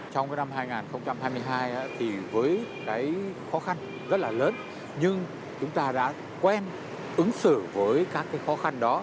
trong năm hai nghìn hai mươi hai thì với cái khó khăn rất là lớn nhưng chúng ta đã quen ứng xử với các khó khăn đó